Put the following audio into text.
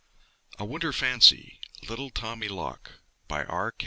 A WINTER FANCY (Little Tommy Loq) BY R.